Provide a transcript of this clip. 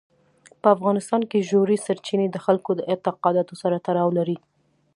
په افغانستان کې ژورې سرچینې د خلکو د اعتقاداتو سره تړاو لري.